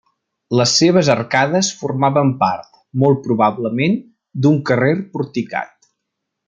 Les seves arcades formaven part, molt probablement, d'un carrer porticat.